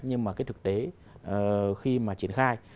nhưng mà cái thực tế khi mà triển khai